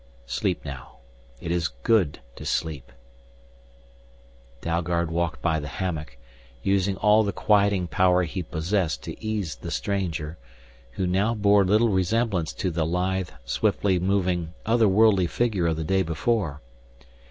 Sleep now. It is good to sleep " Dalgard walked by the hammock, using all the quieting power he possessed to ease the stranger, who now bore little resemblance to the lithe, swiftly moving, other worldly figure of the day before.